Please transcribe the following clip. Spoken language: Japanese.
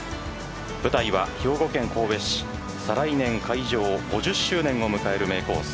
舞台は兵庫県神戸市再来年開場５０周年を迎える名コース